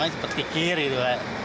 seperti kir gitu